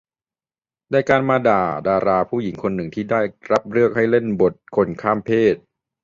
แต่การมาด่าดาราผู้หญิงคนนึงที่ได้รับเลือกมาให้เล่นบทคนข้ามเพศ